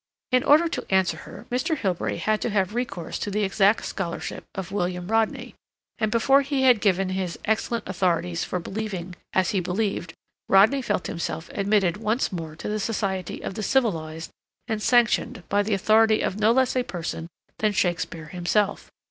In order to answer her Mr. Hilbery had to have recourse to the exact scholarship of William Rodney, and before he had given his excellent authorities for believing as he believed, Rodney felt himself admitted once more to the society of the civilized and sanctioned by the authority of no less a person than Shakespeare himself.